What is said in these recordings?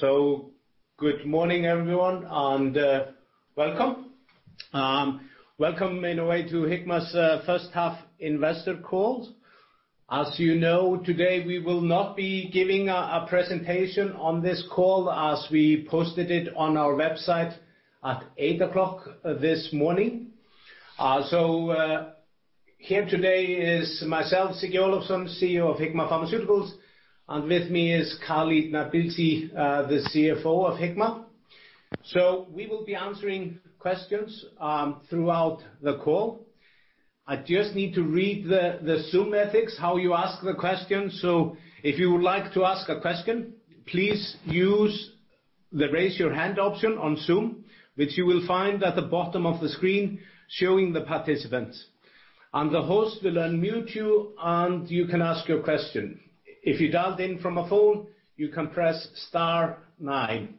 So good morning, everyone, and welcome. Welcome in a way to Hikma's first half investor call. As you know, today, we will not be giving a presentation on this call as we posted it on our website at 8:00 A.M. this morning. So here today is myself, Siggi Olafsson, CEO of Hikma Pharmaceuticals, and with me is Khalid Nabilsi, the CFO of Hikma. So we will be answering questions throughout the call. I just need to read the Zoom ethics, how you ask the questions. So if you would like to ask a question, please use the Raise Your Hand option on Zoom, which you will find at the bottom of the screen, showing the participants. And the host will unmute you, and you can ask your question. If you dialed in from a phone, you can press star nine.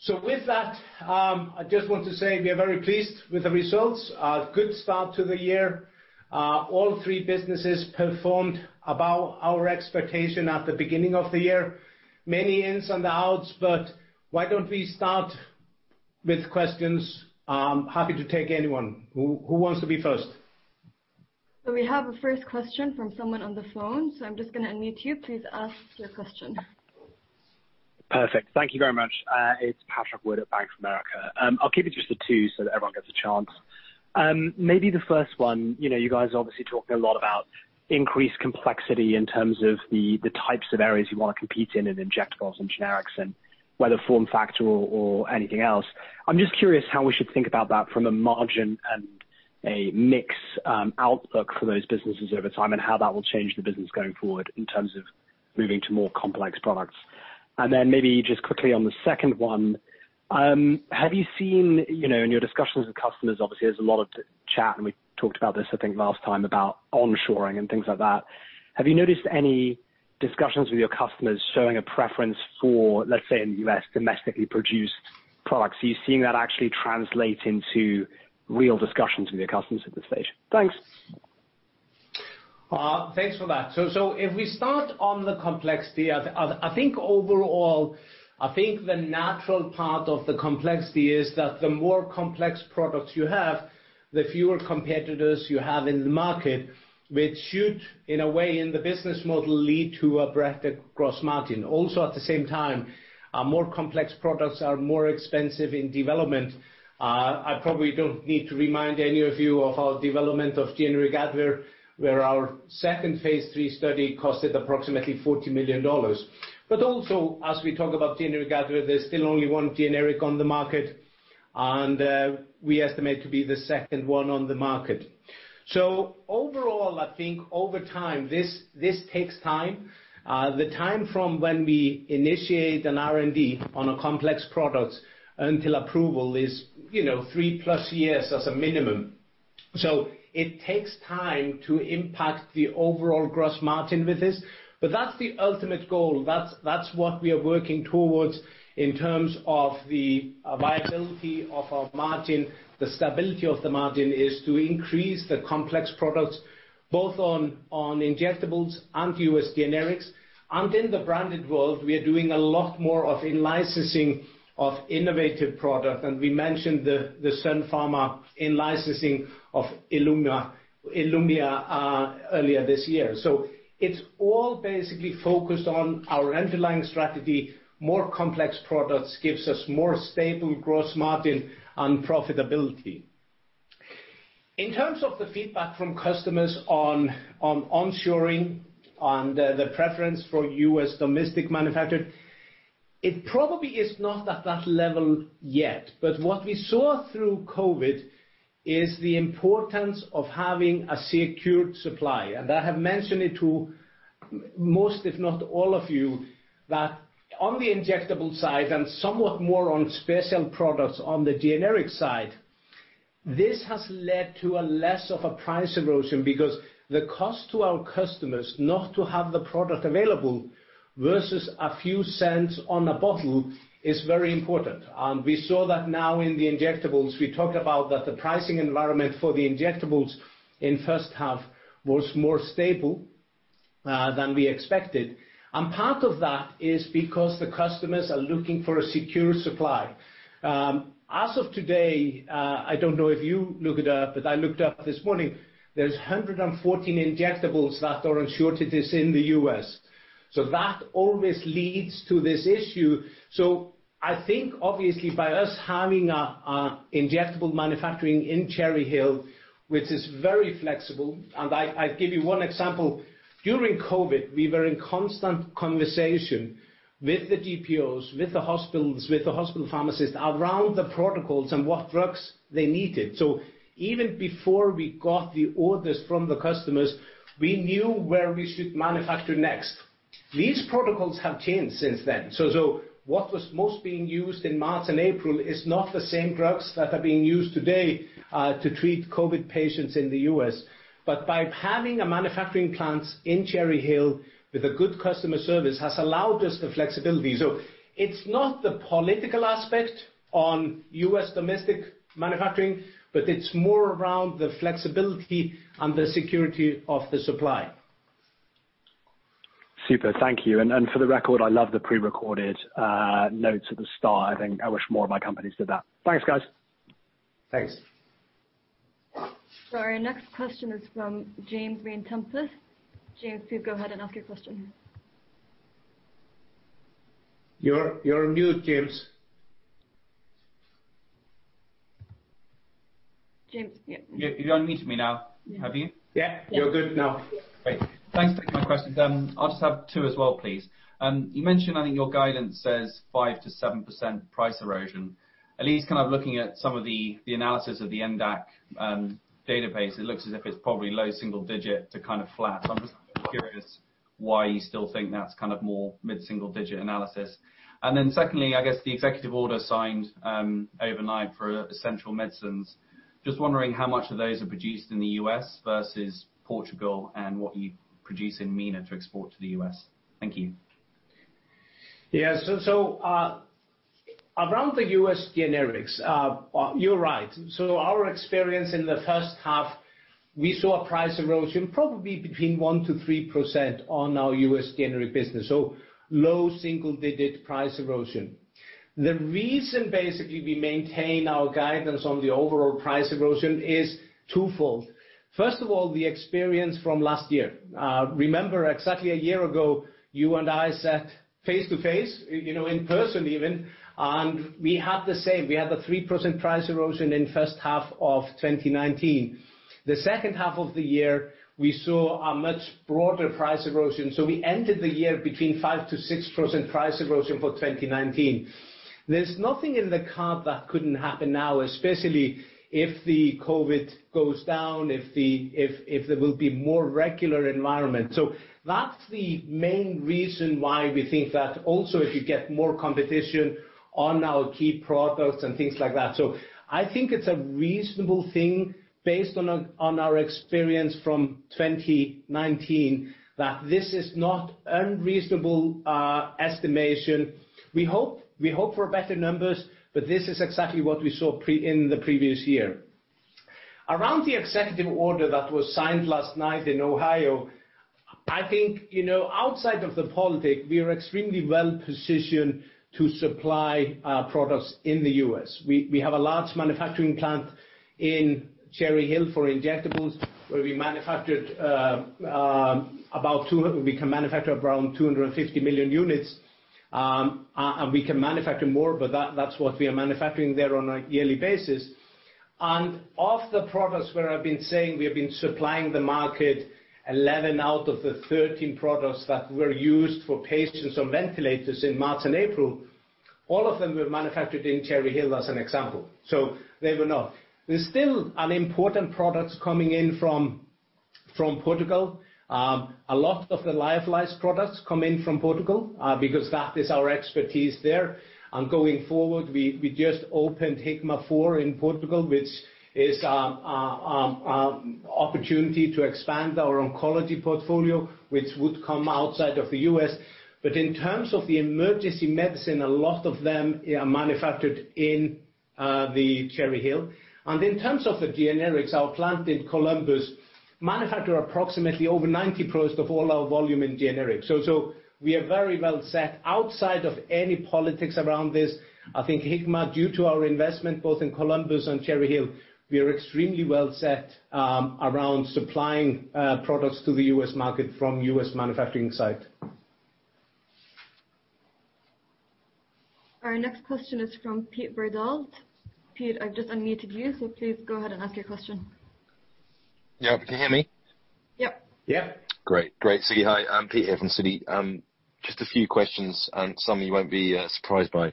So with that, I just want to say we are very pleased with the results. A good start to the year. All three businesses performed above our expectation at the beginning of the year. Many ins and outs, but why don't we start with questions? Happy to take anyone. Who, who wants to be first? We have a first question from someone on the phone, so I'm just gonna unmute you. Please ask your question. Perfect. Thank you very much. It's Patrick Wood at Bank of America. I'll keep it just to two so that everyone gets a chance. Maybe the first one, you know, you guys obviously talked a lot about increased complexity in terms of the, the types of areas you wanna compete in, in injectables and generics and whether form factor or, or anything else. I'm just curious how we should think about that from a margin and a mix, outlook for those businesses over time, and how that will change the business going forward in terms of moving to more complex products. And then maybe just quickly on the second one, have you seen... You know, in your discussions with customers, obviously, there's a lot of chat, and we talked about this, I think, last time, about onshoring and things like that. Have you noticed any discussions with your customers showing a preference for, let's say, in the U.S., domestically produced products? Are you seeing that actually translate into real discussions with your customers at this stage? Thanks. Thanks for that. So if we start on the complexity, I think overall, I think the natural part of the complexity is that the more complex products you have, the fewer competitors you have in the market, which should, in a way, in the business model, lead to a breadth of gross margin. Also, at the same time, more complex products are more expensive in development. I probably don't need to remind any of you of our development of generic Adderall, where our second phase three study cost approximately $40 million. But also, as we talk about generic Adderall, there's still only one generic on the market, and we estimate to be the second one on the market. So overall, I think over time, this takes time. The time from when we initiate an R&D on a complex product until approval is, you know, 3+ years as a minimum. So it takes time to impact the overall gross margin with this, but that's the ultimate goal. That's what we are working towards in terms of the viability of our margin. The stability of the margin is to increase the complex products, both on injectables and U.S. generics. In the branded world, we are doing a lot more of in-licensing of innovative product, and we mentioned the Sun Pharma in-licensing of Ilumya earlier this year. So it's all basically focused on our underlying strategy. More complex products gives us more stable gross margin and profitability. In terms of the feedback from customers on onshoring and the preference for U.S. domestic manufacturer, it probably is not at that level yet, but what we saw through COVID is the importance of having a secured supply. And I have mentioned it to most, if not all of you, that on the injectable side and somewhat more on special products on the generic side, this has led to a less of a price erosion because the cost to our customers not to have the product available versus a few cents on a bottle is very important. And we saw that now in the injectables. We talked about that the pricing environment for the injectables in first half was more stable than we expected. And part of that is because the customers are looking for a secure supply. As of today, I don't know if you looked it up, but I looked it up this morning. There are 114 injectables that are in shortages in the U.S., so that always leads to this issue. I think, obviously, by us having an injectable manufacturing in Cherry Hill, which is very flexible. And I give you one example: During COVID, we were in constant conversation with the GPOs, with the hospitals, with the hospital pharmacists around the protocols and what drugs they needed. So even before we got the orders from the customers, we knew where we should manufacture next. These protocols have changed since then. What was most being used in March and April is not the same drugs that are being used today to treat COVID patients in the U.S. But by having a manufacturing plant in Cherry Hill with a good customer service has allowed us the flexibility. So it's not the political aspect on U.S. domestic manufacturing, but it's more around the flexibility and the security of the supply. ... Super. Thank you. And for the record, I love the prerecorded notes at the start. I think I wish more of my companies did that. Thanks, guys. Thanks. Our next question is from James Green, Kempen & Co. James, please go ahead and ask your question. You're on mute, James. James, yeah. You, you've unmuted me now, have you? Yeah, you're good now. Great. Thanks for taking my questions. I'll just have two as well, please. You mentioned, I think your guidance says 5%-7% price erosion. At least kind of looking at some of the, the analysis of the NADAC database, it looks as if it's probably low single digit to kind of flat. So I'm just curious why you still think that's kind of more mid-single digit analysis. And then secondly, I guess the executive order signed overnight for essential medicines. Just wondering how much of those are produced in the US versus Portugal, and what you produce in MENA to export to the US. Thank you. Yeah. So around the U.S. generics, you're right. So our experience in the first half, we saw a price erosion, probably between 1%-3% on our U.S. generic business. So low single-digit price erosion. The reason, basically, we maintain our guidance on the overall price erosion is twofold. First of all, the experience from last year. Remember, exactly a year ago, you and I sat face-to-face, you know, in person even, and we had the same. We had a 3% price erosion in first half of 2019. The second half of the year, we saw a much broader price erosion, so we ended the year between 5%-6% price erosion for 2019. There's nothing in the card that couldn't happen now, especially if the COVID goes down, if the—if there will be more regular environment. So that's the main reason why we think that also if you get more competition on our key products and things like that. So I think it's a reasonable thing based on our experience from 2019, that this is not unreasonable estimation. We hope for better numbers, but this is exactly what we saw pre- in the previous year. Around the executive order that was signed last night in Ohio, I think, you know, outside of the politics, we are extremely well positioned to supply products in the U.S. We have a large manufacturing plant in Cherry Hill for injectables, where we manufactured about two... We can manufacture around 250 million units, and we can manufacture more, but that's what we are manufacturing there on a yearly basis. Of the products where I've been saying we have been supplying the market, 11 out of the 13 products that were used for patients on ventilators in March and April, all of them were manufactured in Cherry Hill, as an example. So they were not. There's still important products coming in from Portugal. A lot of the lyophilized products come in from Portugal because that is our expertise there. And going forward, we just opened Hikma 4 in Portugal, which is opportunity to expand our oncology portfolio, which would come outside of the U.S. But in terms of the emergency medicine, a lot of them are manufactured in the Cherry Hill. And in terms of the generics, our plant in Columbus manufacture approximately over 90% of all our volume in generics. So, we are very well set outside of any politics around this. I think Hikma, due to our investment, both in Columbus and Cherry Hill, we are extremely well set around supplying products to the U.S. market from U.S. manufacturing site. Our next question is from Pete Verdult. Pete, I've just unmuted you, so please go ahead and ask your question. Yeah. Can you hear me? Yep. Yeah. Great. Great. So hi, I'm Pete here from Citi. Just a few questions, and some you won't be surprised by.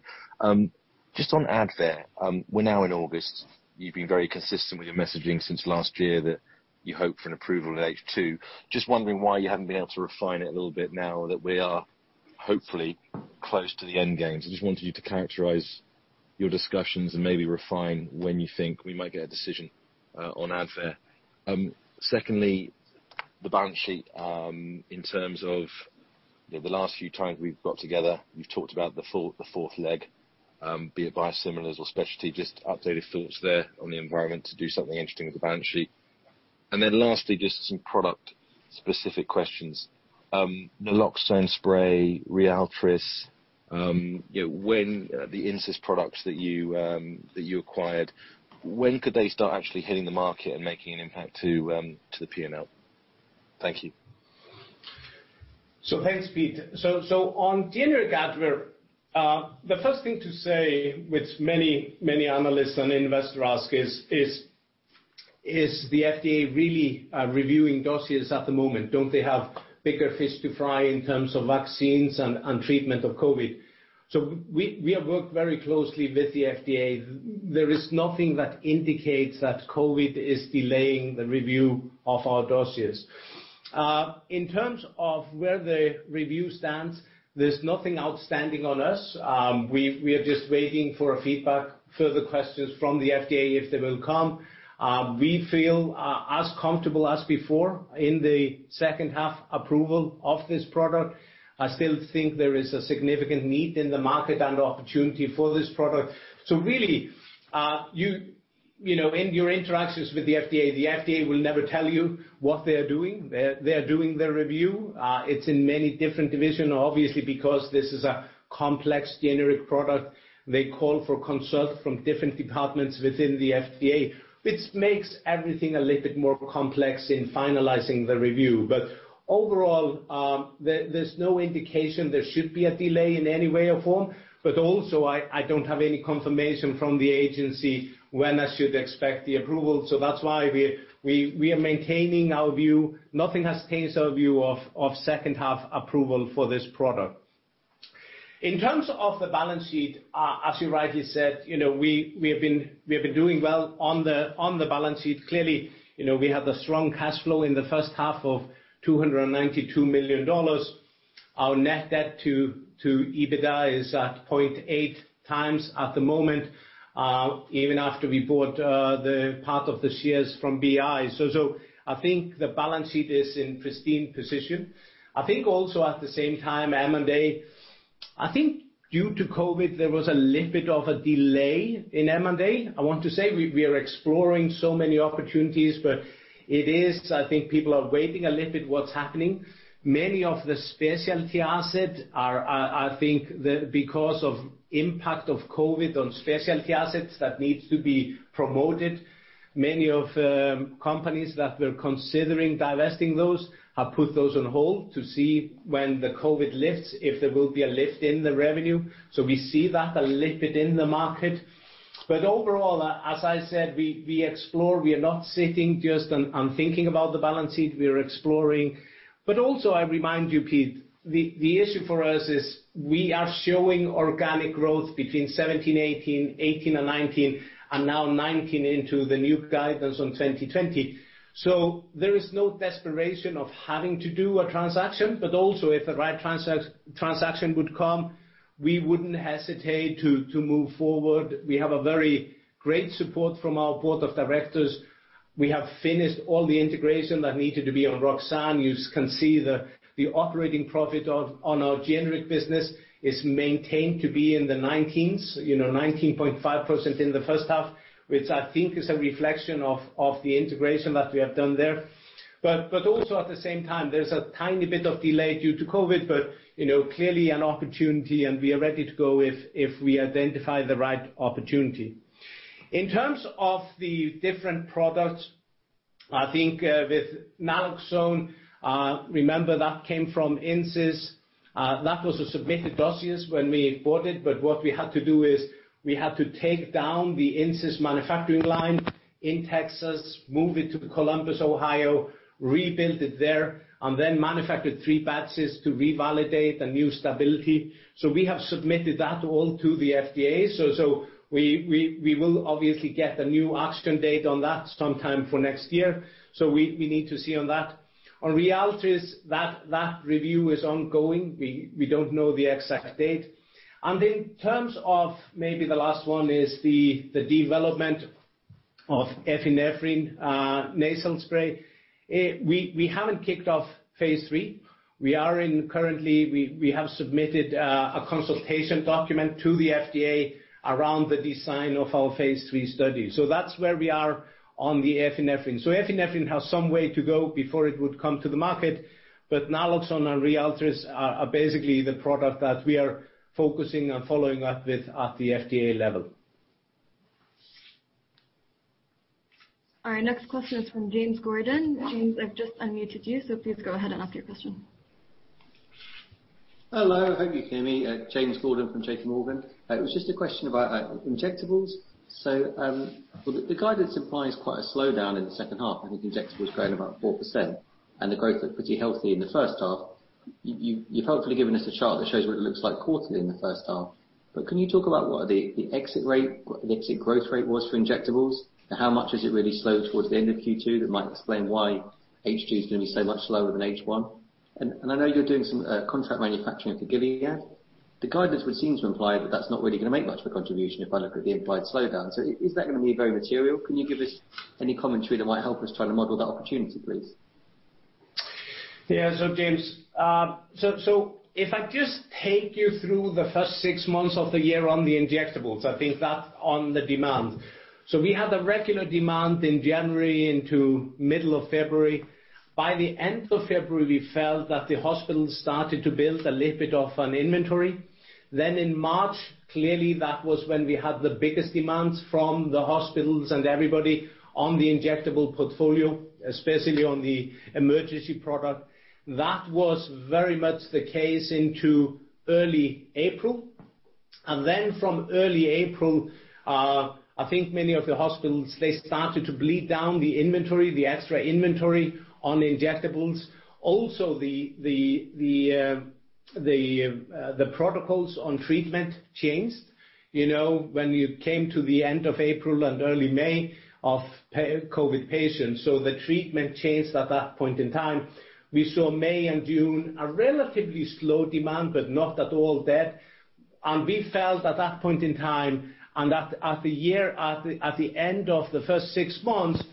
Just on Advair, we're now in August. You've been very consistent with your messaging since last year, that you hope for an approval in H2. Just wondering why you haven't been able to refine it a little bit now that we are hopefully close to the end game. So I just wanted you to characterize your discussions and maybe refine when you think we might get a decision on Advair. Secondly, the balance sheet, in terms of... The last few times we've got together, you've talked about the fourth leg, be it biosimilars or specialty, just updated thoughts there on the environment to do something interesting with the balance sheet. And then lastly, just some product-specific questions. Naloxone spray, Rialtris, you know, when the Insys products that you, that you acquired, when could they start actually hitting the market and making an impact to, to the PNL? Thank you. So thanks, Pete. So on generic Advair, the first thing to say, which many, many analysts and investors ask is: Is the FDA really reviewing dossiers at the moment? Don't they have bigger fish to fry in terms of vaccines and treatment of COVID? So we have worked very closely with the FDA. There is nothing that indicates that COVID is delaying the review of our dossiers. In terms of where the review stands, there's nothing outstanding on us. We are just waiting for a feedback, further questions from the FDA, if they will come. We feel as comfortable as before in the second half approval of this product. I still think there is a significant need in the market and opportunity for this product. So really, you-... You know, in your interactions with the FDA, the FDA will never tell you what they are doing. They're doing their review. It's in many different divisions, obviously, because this is a complex generic product. They call for consult from different departments within the FDA, which makes everything a little bit more complex in finalizing the review. But overall, there's no indication there should be a delay in any way or form. But also, I don't have any confirmation from the agency when I should expect the approval. So that's why we are maintaining our view. Nothing has changed our view of second half approval for this product. In terms of the balance sheet, as you rightly said, you know, we have been doing well on the balance sheet. Clearly, you know, we have the strong cash flow in the first half of $292 million. Our net debt to EBITDA is at 0.8 times at the moment, even after we bought the part of the shares from BI. So I think the balance sheet is in pristine position. I think also at the same time, M&A, I think due to COVID, there was a little bit of a delay in M&A. I want to say we are exploring so many opportunities, but it is... I think people are waiting a little bit, what's happening. Many of the specialty assets are, I think the because of impact of COVID on specialty assets that needs to be promoted, many of the companies that were considering divesting those, have put those on hold to see when the COVID lifts, if there will be a lift in the revenue. So we see that a little bit in the market. But overall, as I said, we explore. We are not sitting just on thinking about the balance sheet, we are exploring. But also, I remind you, Pete, the issue for us is we are showing organic growth between 2017, 2018, 2018 and 2019, and now 2019 into the new guidance on 2020. So there is no desperation of having to do a transaction, but also, if the right transaction would come, we wouldn't hesitate to move forward. We have a very great support from our board of directors. We have finished all the integration that needed to be on Roxane. You can see the operating profit on our generic business is maintained to be in the 19s, you know, 19.5% in the first half, which I think is a reflection of the integration that we have done there. But also at the same time, there's a tiny bit of delay due to COVID, but you know, clearly an opportunity, and we are ready to go if we identify the right opportunity. In terms of the different products, I think with naloxone, remember that came from Insys. That was a submitted dossiers when we bought it, but what we had to do is, we had to take down the Insys manufacturing line in Texas, move it to Columbus, Ohio, rebuild it there, and then manufacture 3 batches to revalidate a new stability. So we have submitted that all to the FDA. So we will obviously get a new action date on that sometime for next year, so we need to see on that. On Rialtris, that review is ongoing. We don't know the exact date. And in terms of maybe the last one is the development of epinephrine nasal spray. We haven't kicked off phase 3. We are currently; we have submitted a consultation document to the FDA around the design of our phase 3 study. That's where we are on the epinephrine. Epinephrine has some way to go before it would come to the market, but naloxone and Rialtris are basically the product that we are focusing on following up with at the FDA level. All right, next question is from James Gordon. James, I've just unmuted you, so please go ahead and ask your question. Hello, hope you hear me. James Gordon from JPMorgan. It was just a question about injectables. So, well, the guidance implies quite a slowdown in the second half. I think injectables growing about 4%, and the growth was pretty healthy in the first half. You've helpfully given us a chart that shows what it looks like quarterly in the first half. But can you talk about what the exit rate, what the exit growth rate was for injectables? And how much has it really slowed towards the end of Q2 that might explain why HG is going to be so much slower than H1? And I know you're doing some contract manufacturing for Gilead. The guidance would seem to imply that that's not really gonna make much of a contribution if I look at the implied slowdown. So is that gonna be very material? Can you give us any commentary that might help us try to model that opportunity, please? Yeah. So, James, so if I just take you through the first six months of the year on the injectables, I think that's on the demand. So we had a regular demand in January into middle of February. By the end of February, we felt that the hospital started to build a little bit of an inventory. Then in March, clearly, that was when we had the biggest demands from the hospitals and everybody on the injectable portfolio, especially on the emergency product. That was very much the case into early April. And then from early April, I think many of the hospitals, they started to bleed down the inventory, the extra inventory on injectables. Also, the protocols on treatment changed, you know, when you came to the end of April and early May, of COVID patients. So the treatment changed at that point in time. We saw May and June, a relatively slow demand, but not at all dead. And we felt at that point in time, and at the end of the first six months,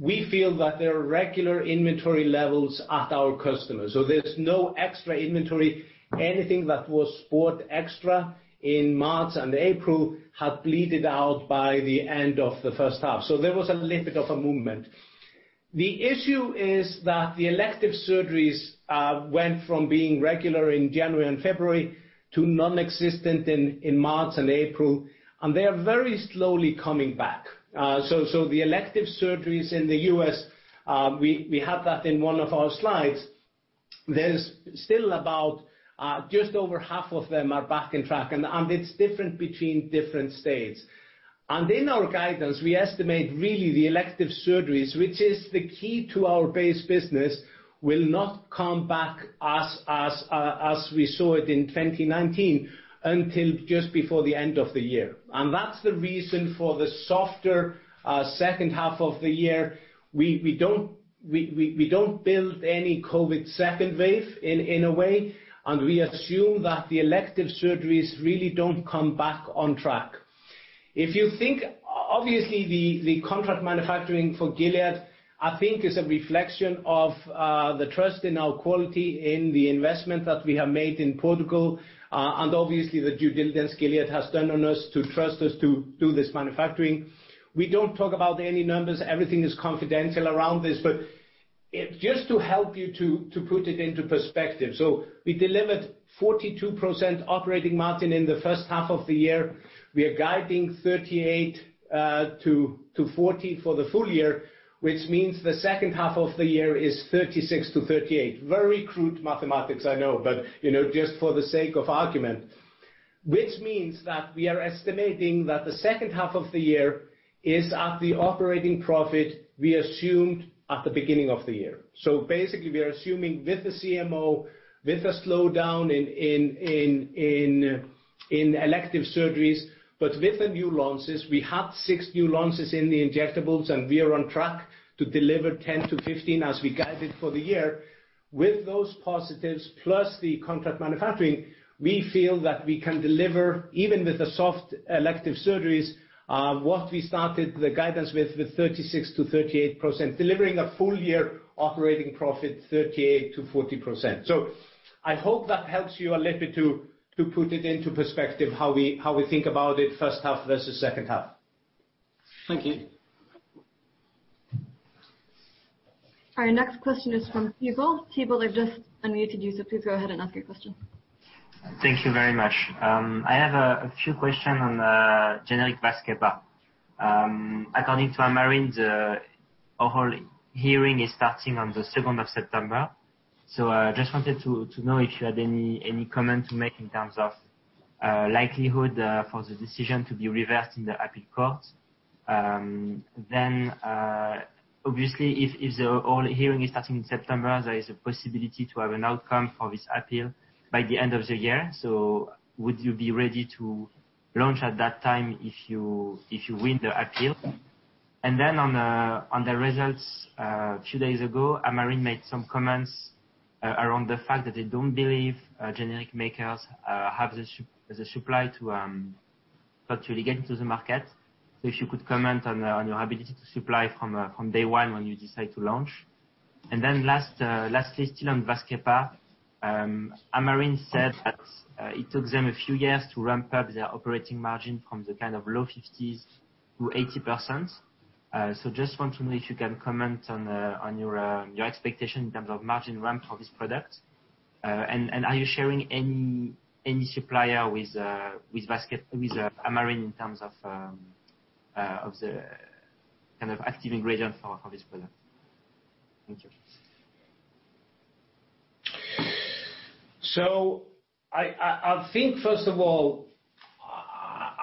we feel that there are regular inventory levels at our customers, so there's no extra inventory. Anything that was bought extra in March and April have bled out by the end of the first half. So there was a little bit of a movement. The issue is that the elective surgeries went from being regular in January and February to nonexistent in March and April, and they are very slowly coming back. So the elective surgeries in the U.S., we have that in one of our slides. There's still about just over half of them back on track, and it's different between different states. In our guidance, we estimate really the elective surgeries, which is the key to our base business, will not come back as we saw it in 2019 until just before the end of the year. That's the reason for the softer second half of the year. We don't build any COVID second wave in a way, and we assume that the elective surgeries really don't come back on track. If you think, obviously, the contract manufacturing for Gilead, I think is a reflection of the trust in our quality, in the investment that we have made in Portugal, and obviously, the due diligence Gilead has done on us to trust us to do this manufacturing. We don't talk about any numbers. Everything is confidential around this. But just to help you put it into perspective, so we delivered 42% operating margin in the first half of the year. We are guiding 38%-40% for the full year, which means the second half of the year is 36%-38%. Very crude mathematics, I know, but, you know, just for the sake of argument. Which means that we are estimating that the second half of the year is at the operating profit we assumed at the beginning of the year. So basically, we are assuming with the CMO, with a slowdown in elective surgeries, but with the new launches, we have 6 new launches in the injectables, and we are on track to deliver 10-15, as we guided for the year. With those positives, plus the contract manufacturing, we feel that we can deliver, even with the soft elective surgeries, what we started the guidance with, with 36%-38%, delivering a full year operating profit, 38%-40%. So I hope that helps you a little bit to put it into perspective, how we think about it, first half versus second half. Thank you. Our next question is from Thibault. Thibault, I've just unmuted you, so please go ahead and ask your question. Thank you very much. I have a few questions on the generic Vascepa. According to Amarin, the oral hearing is starting on the second of September. So I just wanted to know if you had any comment to make in terms of likelihood for the decision to be reversed in the appeal court? Then, obviously, if the oral hearing is starting in September, there is a possibility to have an outcome for this appeal by the end of the year. So would you be ready to launch at that time if you win the appeal? And then on the results, a few days ago, Amarin made some comments around the fact that they don't believe generic makers have the supply to virtually get into the market. So if you could comment on your ability to supply from day one when you decide to launch. And then last, lastly, still on Vascepa, Amarin said that it took them a few years to ramp up their operating margin from the kind of low 50s to 80%. So just want to know if you can comment on your expectation in terms of margin ramp for this product. And are you sharing any supplier with Vascepa, with Amarin in terms of the kind of active ingredient for this product? Thank you. So I think, first of all,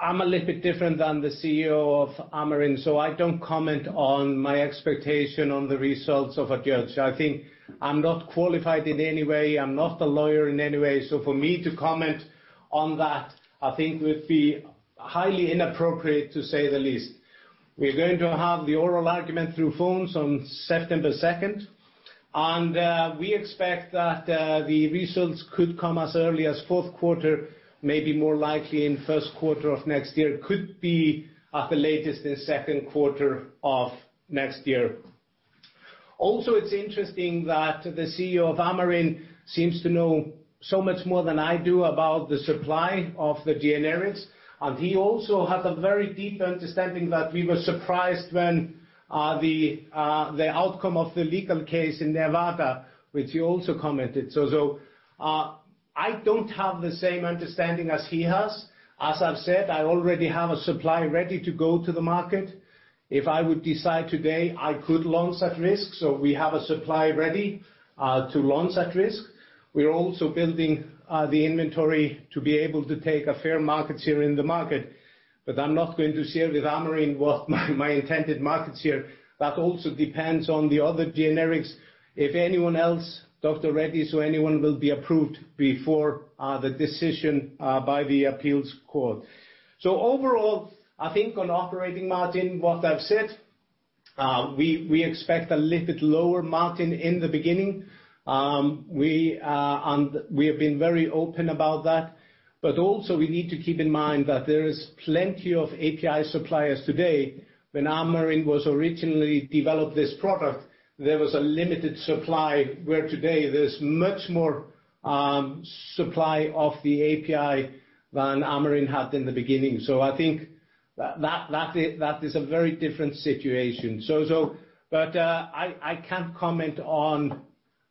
I'm a little bit different than the CEO of Amarin, so I don't comment on my expectation on the results of a judge. I think I'm not qualified in any way. I'm not a lawyer in any way. So for me to comment on that, I think would be highly inappropriate, to say the least. We're going to have the oral argument through phones on September second, and we expect that the results could come as early as fourth quarter, maybe more likely in first quarter of next year. Could be, at the latest, in second quarter of next year. Also, it's interesting that the CEO of Amarin seems to know so much more than I do about the supply of the generics, and he also has a very deep understanding that we were surprised when, the, the outcome of the legal case in Nevada, which he also commented. So, so, I don't have the same understanding as he has. As I've said, I already have a supply ready to go to the market. If I would decide today, I could launch at risk, so we have a supply ready, to launch at risk. We are also building, the inventory to be able to take a fair market share in the market, but I'm not going to share with Amarin what my, my intended market share. That also depends on the other generics, if anyone else, Dr. Reddy's or anyone will be approved before the decision by the appeals court. So overall, I think on operating margin, what I've said. We expect a little bit lower margin in the beginning. And we have been very open about that, but also we need to keep in mind that there is plenty of API suppliers today. When Amarin was originally developed this product, there was a limited supply, where today there's much more supply of the API than Amarin had in the beginning. So I think that is a very different situation. So but I can't comment on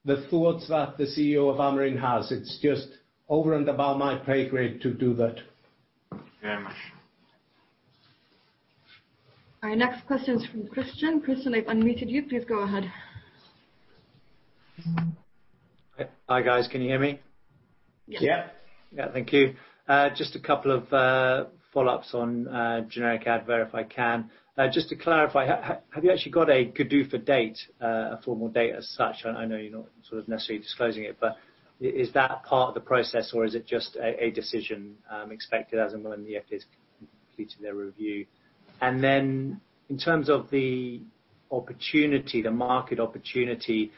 the thoughts that the CEO of Amarin has. It's just over and above my pay grade to do that. Thank you very much. Our next question is from Christian. Christian, I've unmuted you. Please go ahead. Hi, guys. Can you hear me? Yes. Yeah. Yeah. Thank you. Just a couple of follow-ups on generic Advair, if I can. Just to clarify, have you actually got a GDUFA date, a formal date as such? I know you're not sort of necessarily disclosing it, but is that part of the process, or is it just a decision expected as and when the FDA is completing their review? And then in terms of the opportunity, the market opportunity,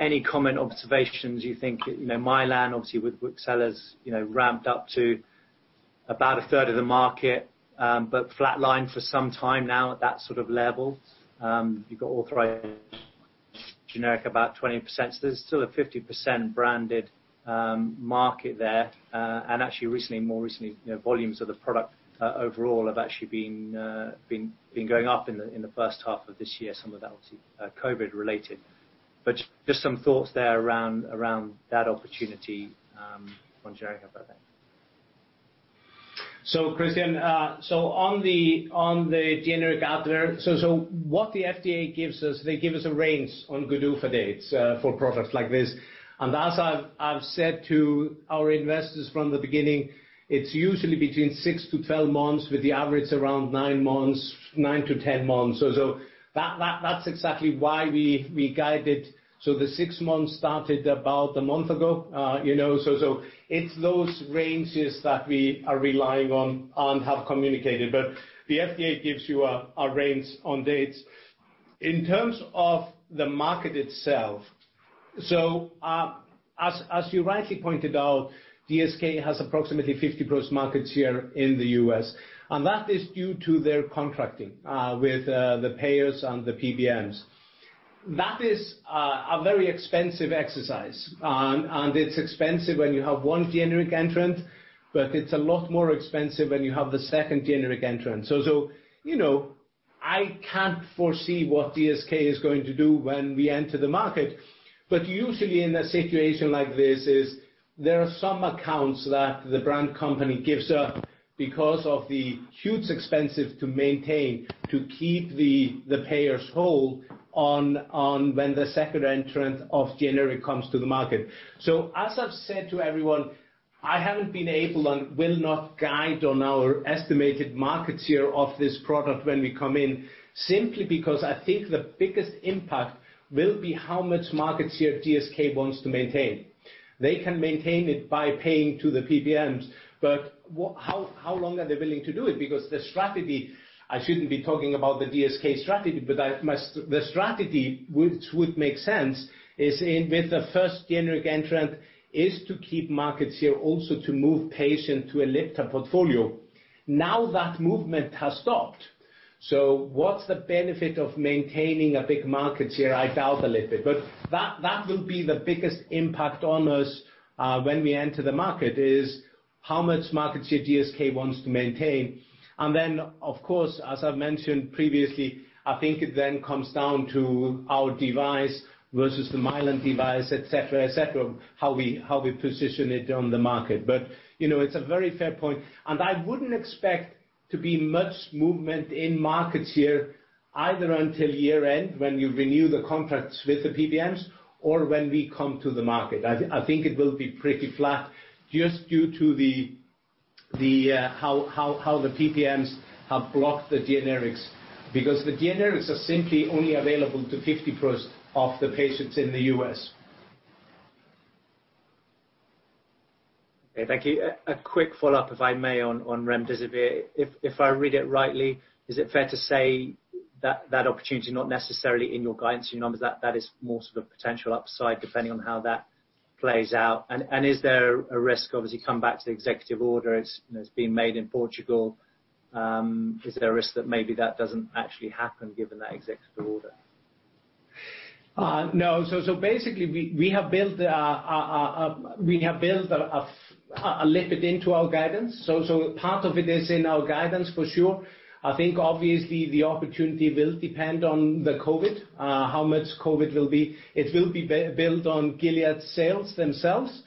any common observations you think, you know, Mylan, obviously, with Wockhardt's, you know, ramped up to about a third of the market, but flatlined for some time now at that sort of level. You've got authorized generic about 20%. So there's still a 50% branded market there. Actually, recently, more recently, you know, volumes of the product overall have actually been going up in the first half of this year. Some of that obviously COVID-related. But just some thoughts there around that opportunity on generic, I think. So Christian, on the generic Advair. So what the FDA gives us, they give us a range on GDUFA dates for products like this. And as I've said to our investors from the beginning, it's usually between 6-12 months, with the average around 9 months, 9-10 months. So that's exactly why we guided. So the 6 months started about a month ago, you know, so it's those ranges that we are relying on and have communicated. But the FDA gives you a range on dates. In terms of the market itself, so as you rightly pointed out, GSK has approximately 50+ market share in the U.S., and that is due to their contracting with the payers and the PBMs. That is a very expensive exercise. It's expensive when you have one generic entrant, but it's a lot more expensive when you have the second generic entrant. So, you know, I can't foresee what GSK is going to do when we enter the market, but usually in a situation like this, there are some accounts that the brand company gives up because of the huge expenses to maintain, to keep the payers whole on when the second generic entrant comes to the market. So as I've said to everyone, I haven't been able and will not guide on our estimated market share of this product when we come in, simply because I think the biggest impact will be how much market share GSK wants to maintain. They can maintain it by paying to the PBMs, but how long are they willing to do it? Because the strategy, I shouldn't be talking about the GSK strategy, but the strategy, which would make sense, is in with the first generic entrant, is to keep market share, also to move patient to a lifted portfolio. Now, that movement has stopped. So what's the benefit of maintaining a big market share? I doubt a little bit, but that will be the biggest impact on us when we enter the market, is how much market share GSK wants to maintain. And then, of course, as I've mentioned previously, I think it then comes down to our device versus the Mylan device, et cetera, et cetera, how we position it on the market. You know, it's a very fair point, and I wouldn't expect to be much movement in market share, either until year-end, when you renew the contracts with the PBMs or when we come to the market. I think it will be pretty flat just due to the how the PBMs have blocked the generics, because the generics are simply only available to 50% of the patients in the U.S. Okay, thank you. A quick follow-up, if I may, on Remdesivir. If I read it rightly, is it fair to say that that opportunity is not necessarily in your guidance, your numbers, that that is more sort of a potential upside, depending on how that plays out? And is there a risk, obviously, come back to the executive order, it's, you know, it's being made in Portugal, is there a risk that maybe that doesn't actually happen given that executive order? No. So, basically, we have built a little bit into our guidance. So, part of it is in our guidance for sure. I think obviously the opportunity will depend on the COVID, how much COVID will be. It will be built on Gilead's sales themselves.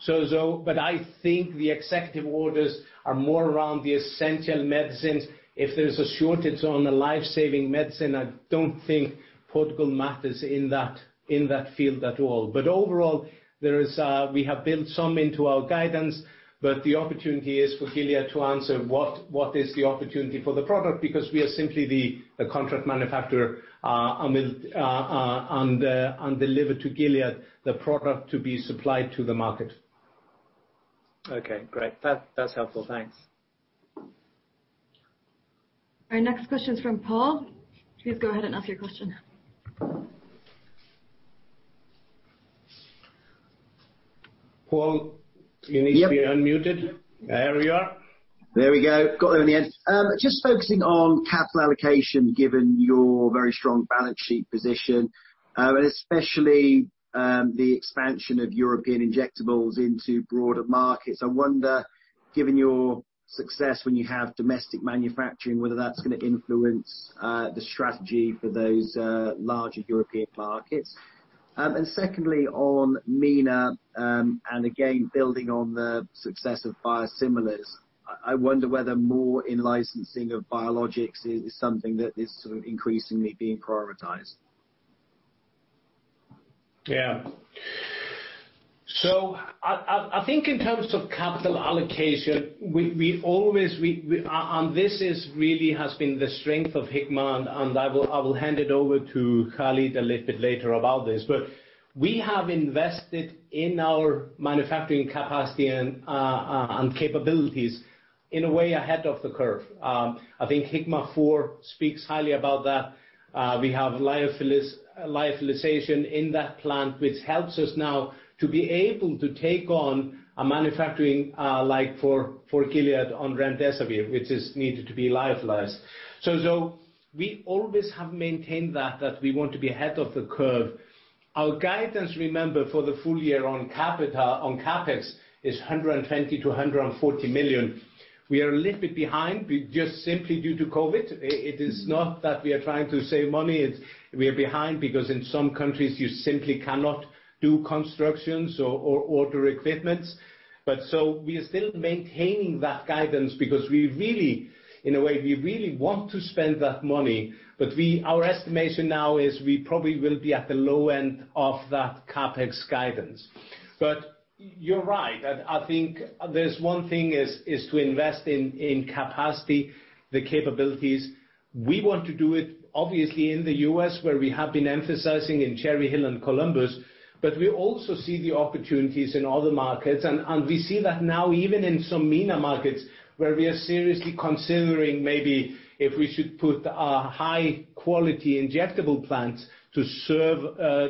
So, but I think the executive orders are more around the essential medicines. If there's a shortage on a life-saving medicine, I don't think Portugal matters in that field at all. But overall, we have built some into our guidance, but the opportunity is for Gilead to answer what is the opportunity for the product, because we are simply the contract manufacturer and deliver to Gilead the product to be supplied to the market.... Okay, great. That, that's helpful. Thanks. Our next question is from Paul. Please go ahead and ask your question. Paul, you need to be unmuted. There we are. There we go. Got it in the end. Just focusing on capital allocation, given your very strong balance sheet position, and especially, the expansion of European injectables into broader markets, I wonder, given your success when you have domestic manufacturing, whether that's gonna influence, the strategy for those, larger European markets? And secondly, on MENA, and again, building on the success of biosimilars, I wonder whether more in licensing of biologics is something that is sort of increasingly being prioritized. Yeah. So I think in terms of capital allocation, we always—and this really has been the strength of Hikma, and I will hand it over to Khalid a little bit later about this. But we have invested in our manufacturing capacity and capabilities in a way ahead of the curve. I think Hikma Four speaks highly about that. We have lyophilization in that plant, which helps us now to be able to take on a manufacturing like for Gilead on Remdesivir, which is needed to be lyophilized. So we always have maintained that we want to be ahead of the curve. Our guidance, remember, for the full year on CapEx, is $120 million-$140 million. We are a little bit behind, we just simply due to COVID. It is not that we are trying to save money, it's we are behind because in some countries you simply cannot do constructions or order equipments. So we are still maintaining that guidance because we really, in a way, we really want to spend that money, but we, our estimation now is we probably will be at the low end of that CapEx guidance. But you're right, I think there's one thing is to invest in capacity, the capabilities. We want to do it, obviously, in the U.S., where we have been emphasizing in Cherry Hill and Columbus, but we also see the opportunities in other markets. And we see that now, even in some MENA markets, where we are seriously considering maybe if we should put a high quality injectable plants to serve,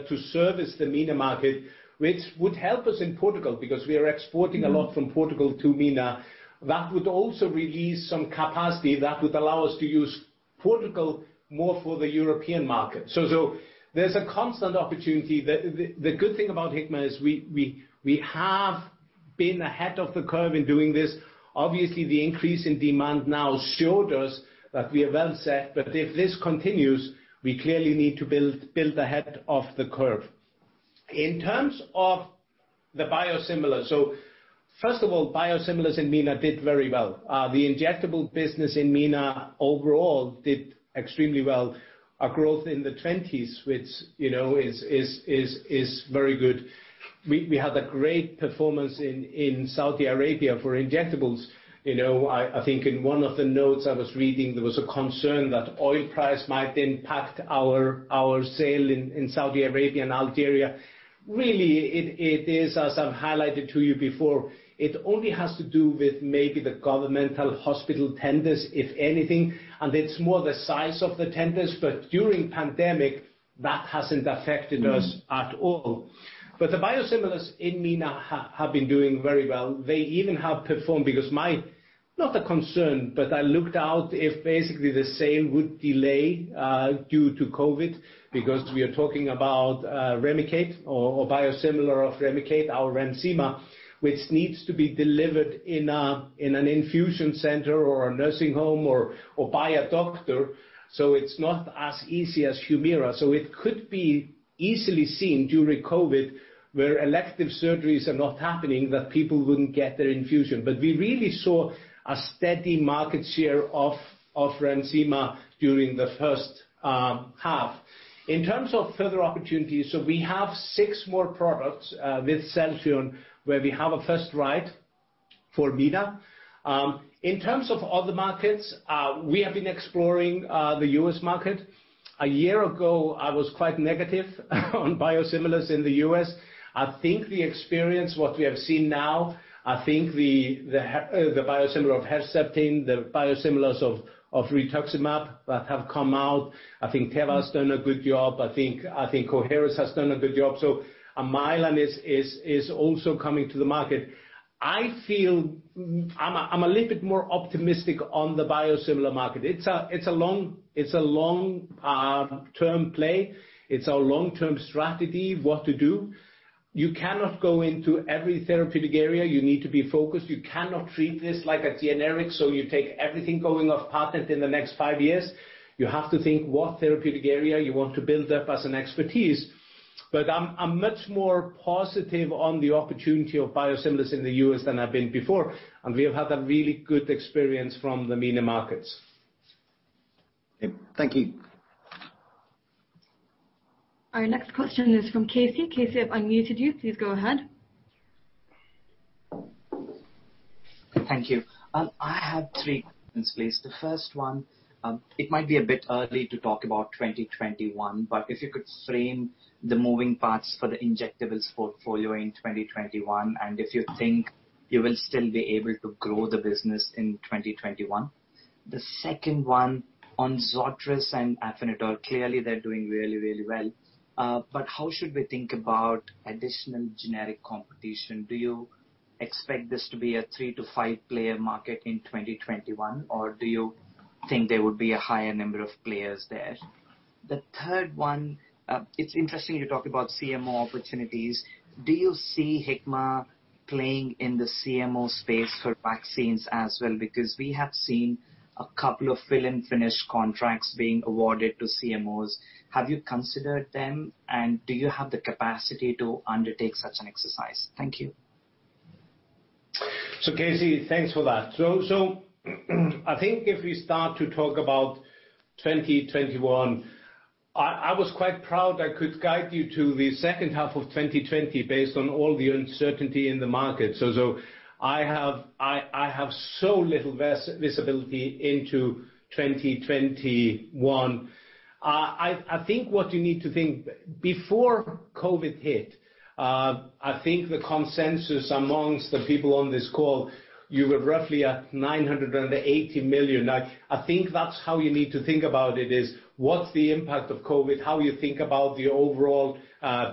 to service the MENA market, which would help us in Portugal, because we are exporting a lot from Portugal to MENA. That would also release some capacity that would allow us to use Portugal more for the European market. So there's a constant opportunity. The good thing about Hikma is we have been ahead of the curve in doing this. Obviously, the increase in demand now showed us that we are well set, but if this continues, we clearly need to build ahead of the curve. In terms of the biosimilar, so first of all, biosimilars in MENA did very well. The injectable business in MENA overall did extremely well. A growth in the 20s, which, you know, is very good. We had a great performance in Saudi Arabia for injectables. You know, I think in one of the notes I was reading, there was a concern that oil price might impact our sale in Saudi Arabia and Algeria. Really, it is, as I've highlighted to you before, it only has to do with maybe the governmental hospital tenders, if anything, and it's more the size of the tenders, but during pandemic, that hasn't affected us at all. But the biosimilars in MENA have been doing very well. They even have performed because my... Not a concern, but I looked out if basically the sale would delay due to COVID, because we are talking about Remicade or biosimilar of Remicade, our Remsima, which needs to be delivered in an infusion center or a nursing home or by a doctor, so it's not as easy as Humira. So it could be easily seen during COVID, where elective surgeries are not happening, that people wouldn't get their infusion. But we really saw a steady market share of Remsima during the first half. In terms of further opportunities, so we have six more products with Celltrion, where we have a first right for MENA. In terms of other markets, we have been exploring the U.S. market. A year ago, I was quite negative on biosimilars in the U.S. I think the experience, what we have seen now, I think the biosimilar of Herceptin, the biosimilars of rituximab that have come out, I think Teva's done a good job, I think Coherus has done a good job. So Amarin is also coming to the market. I feel I'm a little bit more optimistic on the biosimilar market. It's a long-term play. It's our long-term strategy, what to do. You cannot go into every therapeutic area. You need to be focused. You cannot treat this like a generic, so you take everything going off patent in the next five years. You have to think what therapeutic area you want to build up as an expertise. But I'm much more positive on the opportunity of biosimilars in the U.S. than I've been before, and we have had a really good experience from the MENA markets. Thank you. Our next question is from Casey. Casey, I've unmuted you. Please go ahead.... Thank you. I have three questions, please. The first one, it might be a bit early to talk about 2021, but if you could frame the moving parts for the injectables portfolio in 2021, and if you think you will still be able to grow the business in 2021? The second one, on Zortress and Afinitor, clearly, they're doing really, really well. But how should we think about additional generic competition? Do you expect this to be a 3-5-player market in 2021, or do you think there would be a higher number of players there? The third one, it's interesting you talk about CMO opportunities. Do you see Hikma playing in the CMO space for vaccines as well? Because we have seen a couple of fill and finish contracts being awarded to CMOs. Have you considered them, and do you have the capacity to undertake such an exercise? Thank you. So Casey, thanks for that. So, I think if we start to talk about 2021, I was quite proud I could guide you to the second half of 2020, based on all the uncertainty in the market. So, I have so little visibility into 2021. I think what you need to think. Before COVID hit, I think the consensus amongst the people on this call, you were roughly at $980 million. Now, I think that's how you need to think about it, is what's the impact of COVID, how you think about the overall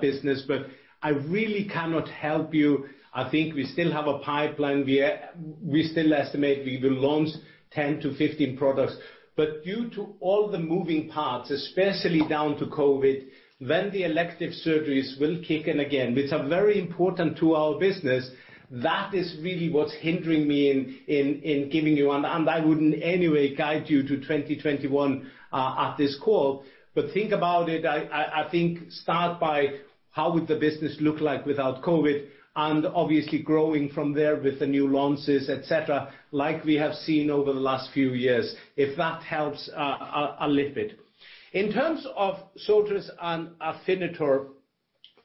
business, but I really cannot help you. I think we still have a pipeline. We still estimate we will launch 10-15 products, but due to all the moving parts, especially down to COVID, when the elective surgeries will kick in again, which are very important to our business, that is really what's hindering me in giving you... And I wouldn't anyway guide you to 2021 at this call. But think about it, I think start by how would the business look like without COVID, and obviously growing from there with the new launches, et cetera, like we have seen over the last few years, if that helps, a little bit. In terms of Zortress and Afinitor,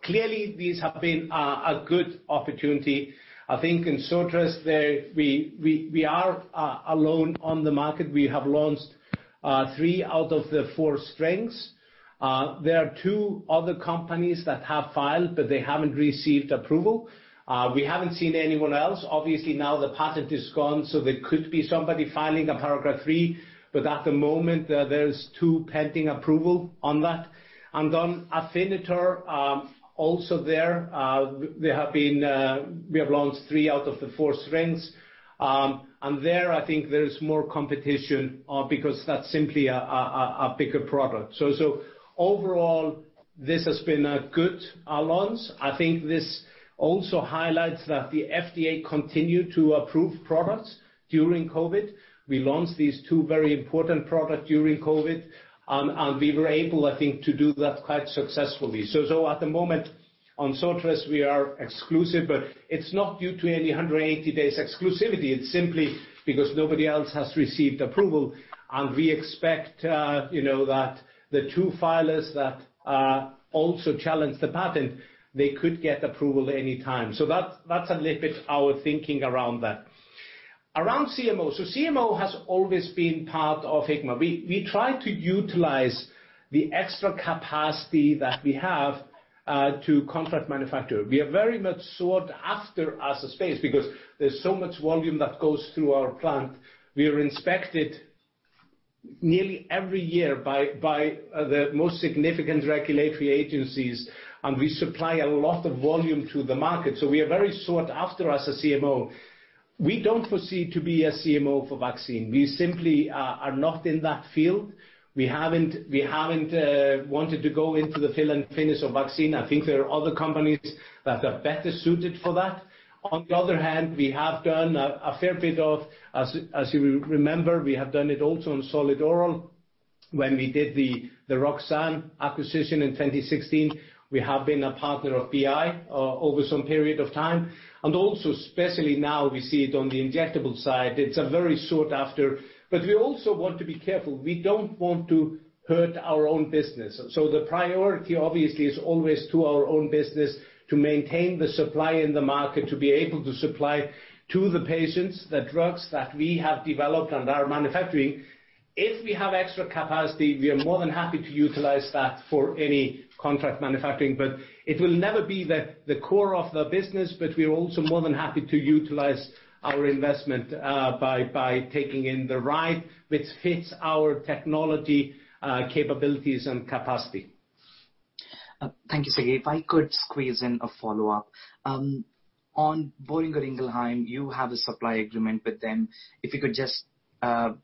clearly, these have been a good opportunity. I think in Zortress, they-- we are alone on the market. We have launched three out of the four strengths. There are two other companies that have filed, but they haven't received approval. We haven't seen anyone else. Obviously, now the patent is gone, so there could be somebody filing a Paragraph III, but at the moment, there's two pending approval on that. And on Afinitor, also there, there have been, we have launched 3 out of the 4 strengths. And there, I think there is more competition, because that's simply a bigger product. So overall, this has been a good launch. I think this also highlights that the FDA continued to approve products during COVID. We launched these two very important product during COVID, and we were able, I think, to do that quite successfully. So at the moment, on Zortress, we are exclusive, but it's not due to any 180 days exclusivity. It's simply because nobody else has received approval, and we expect, you know, that the two filers that also challenged the patent, they could get approval at any time. So that, that's a little bit our thinking around that. Around CMO. So CMO has always been part of Hikma. We, we try to utilize the extra capacity that we have, to contract manufacture. We are very much sought after as a space because there's so much volume that goes through our plant. We are inspected nearly every year by, by, the most significant regulatory agencies, and we supply a lot of volume to the market. So we are very sought after as a CMO. We don't proceed to be a CMO for vaccine. We simply, are not in that field. We haven't, we haven't, wanted to go into the fill and finish of vaccine. I think there are other companies that are better suited for that. On the other hand, we have done a fair bit of... As you remember, we have done it also in solid oral. When we did the Roxane acquisition in 2016, we have been a partner of BI over some period of time, and also especially now, we see it on the injectable side, it's a very sought after. But we also want to be careful. We don't want to hurt our own business. So the priority, obviously, is always to our own business, to maintain the supply in the market, to be able to supply to the patients, the drugs that we have developed and are manufacturing. If we have extra capacity, we are more than happy to utilize that for any contract manufacturing, but it will never be the core of the business, but we are also more than happy to utilize our investment by taking in the ride, which fits our technology capabilities, and capacity. Thank you, Siggi. If I could squeeze in a follow-up. On Boehringer Ingelheim, you have a supply agreement with them. If you could just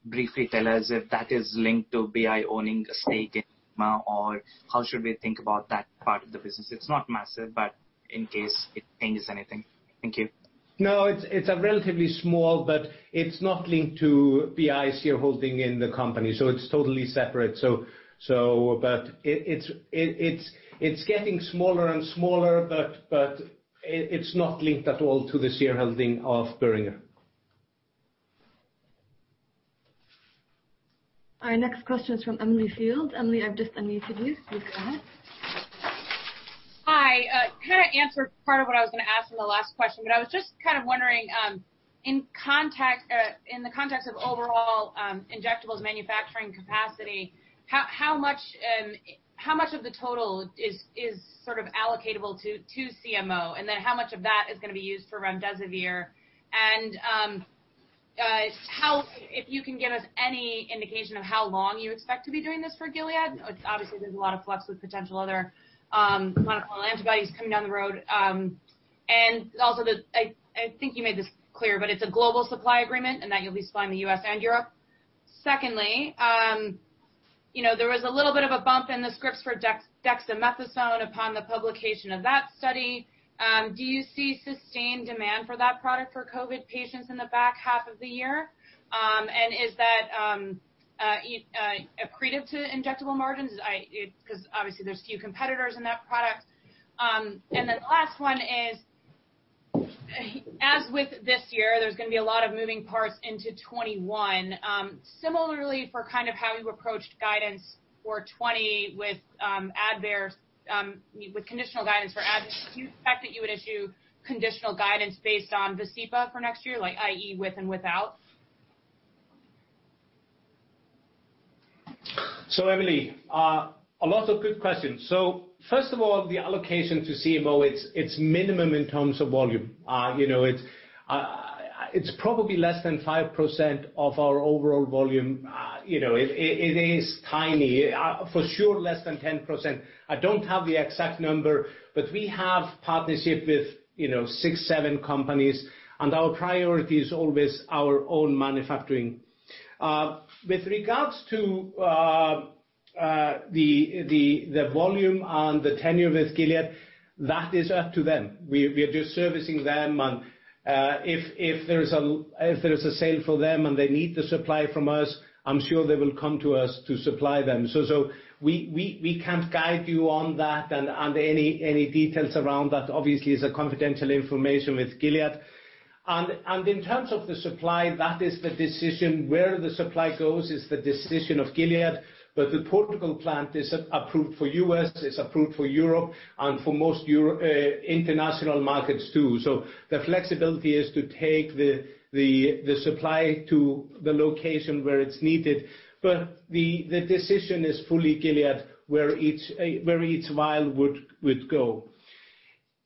briefly tell us if that is linked to BI owning a stake in Hikma, or how should we think about that part of the business? It's not massive, but in case it changes anything. Thank you. No, it's a relatively small, but it's not linked to BI's shareholding in the company, so it's totally separate. So, but it's getting smaller and smaller, but it's not linked at all to the shareholding of Boehringer.... Our next question is from Emily Field. Emily, I've just unmuted you. Please go ahead. Hi. Kind of answered part of what I was gonna ask in the last question, but I was just kind of wondering, in context, in the context of overall injectables manufacturing capacity, how much of the total is sort of allocatable to CMO? And then how much of that is gonna be used for Remdesivir? And if you can give us any indication of how long you expect to be doing this for Gilead? Obviously, there's a lot of flux with potential other monoclonal antibodies coming down the road. And also, I think you made this clear, but it's a global supply agreement, and that you'll be supplying the U.S. and Europe. Secondly, you know, there was a little bit of a bump in the scripts for dex, dexamethasone upon the publication of that study. Do you see sustained demand for that product for COVID patients in the back half of the year? And is that accreted to injectable margins? Because obviously, there's few competitors in that product. And then the last one is, as with this year, there's gonna be a lot of moving parts into 2021. Similarly, for kind of how you approached guidance for 2020 with Advair, with conditional guidance for Advair, do you expect that you would issue conditional guidance based on Vascepa for next year, like, i.e., with and without? So Emily, a lot of good questions. So first of all, the allocation to CMO, it's minimum in terms of volume. You know, it's probably less than 5% of our overall volume. You know, it is tiny. For sure, less than 10%. I don't have the exact number, but we have partnership with, you know, 6, 7 companies, and our priority is always our own manufacturing. With regards to the volume and the tenure with Gilead, that is up to them. We are just servicing them, and if there is a sale for them and they need the supply from us, I'm sure they will come to us to supply them. So we can't guide you on that, and any details around that, obviously, is a confidential information with Gilead. And in terms of the supply, that is the decision. Where the supply goes is the decision of Gilead, but the Portugal plant is approved for U.S., it's approved for Europe and for most European international markets, too. So the flexibility is to take the supply to the location where it's needed, but the decision is fully Gilead, where each vial would go.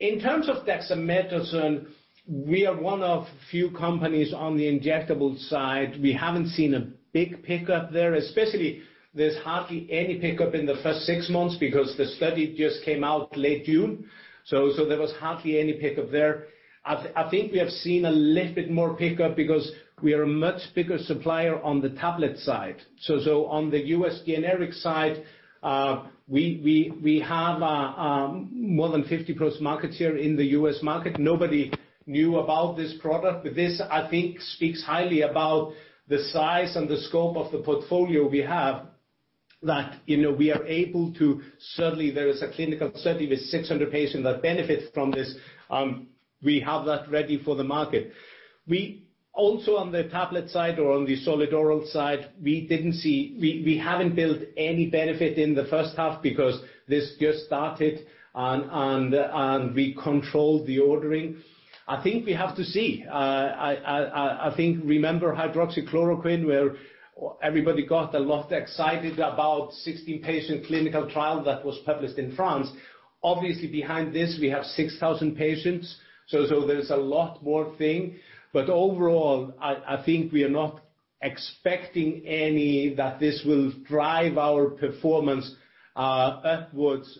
In terms of dexamethasone, we are one of few companies on the injectable side. We haven't seen a big pickup there, especially there's hardly any pickup in the first six months because the study just came out late June, so there was hardly any pickup there. I think we have seen a little bit more pickup because we are a much bigger supplier on the tablet side. So on the U.S. generic side, we have more than 50+ markets here in the U.S. market. Nobody knew about this product, but this, I think, speaks highly about the size and the scope of the portfolio we have, that, you know, we are able to... Certainly, there is a clinical study with 600 patients that benefit from this. We have that ready for the market. We also, on the tablet side or on the solid oral side, we didn't see we haven't built any benefit in the first half because this just started and we controlled the ordering. I think we have to see. I think... Remember hydroxychloroquine, where everybody got a lot excited about 16-patient clinical trial that was published in France. Obviously, behind this, we have 6,000 patients, so there's a lot more thing. But overall, I think we are not expecting any that this will drive our performance upwards.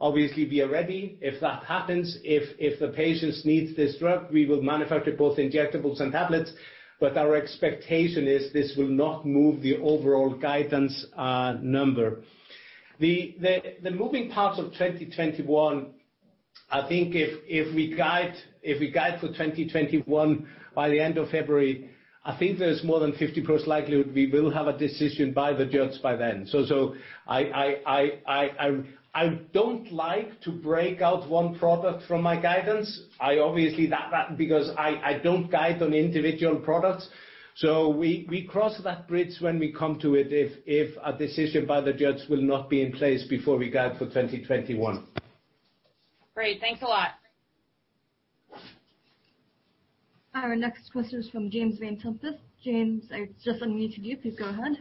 Obviously, we are ready. If that happens, if the patients needs this drug, we will manufacture both injectables and tablets, but our expectation is this will not move the overall guidance number. The moving parts of 2021, I think if we guide for 2021, by the end of February, I think there's more than 50+ likelihood we will have a decision by the judge by then. So I don't like to break out one product from my guidance. I obviously that, because I don't guide on individual products, so we cross that bridge when we come to it, if a decision by the judge will not be in place before we guide for 2021. Great. Thanks a lot. Our next question is from James Vane-Tempest. James, I just unmuted you. Please go ahead.